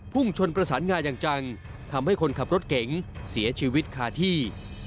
ชนประสานงาอย่างจังทำให้คนขับรถเก๋งเสียชีวิตคาที่